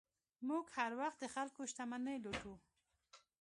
موږ هر وخت د خلکو شتمنۍ لوټو.